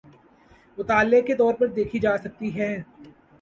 مطالعے کے طور پہ دیکھی جا سکتی ہیں۔